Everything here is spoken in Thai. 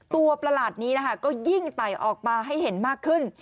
ประหลาดนี้นะคะก็ยิ่งไต่ออกมาให้เห็นมากขึ้น